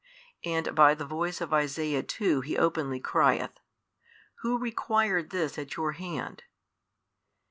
and by the voice of Isaiah too He openly crieth, Who required this at your hand?